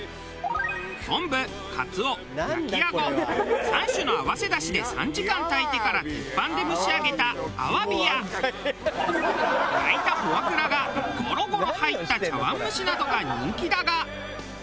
昆布カツオ焼きアゴ３種の合わせ出汁で３時間炊いてから鉄板で蒸し上げた鮑や焼いたフォアグラがゴロゴロ入った茶碗蒸しなどが人気だが。